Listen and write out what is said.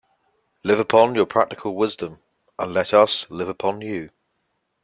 Live upon your practical wisdom, and let us live upon you!